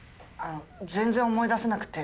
全然思い出せなくて。